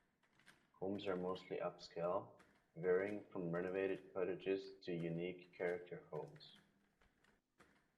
Homes are mostly upscale, varying from renovated cottages to unique character homes.